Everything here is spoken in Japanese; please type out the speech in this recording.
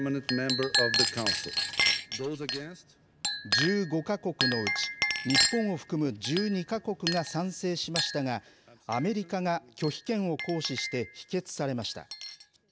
１５か国のうち日本を含む１２か国が賛成しましたがアメリカが拒否権を行使して否決されました。